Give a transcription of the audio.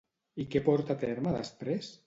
I què porta a terme després?